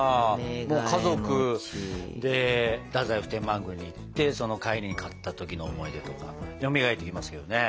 家族で太宰府天満宮に行ってその帰りに買った時の思い出とかよみがえってきますけどね。